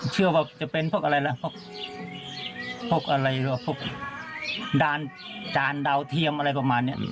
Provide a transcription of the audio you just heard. เชื่อว่าจะเป็นพวกอะไรแหละพวกอะไรหรือว่าพวกดานดาวเทียมอะไรประมาณนี้